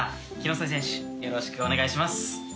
よろしくお願いします。